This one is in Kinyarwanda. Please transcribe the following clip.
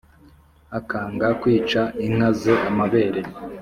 Akanga kwica inka ze amabere!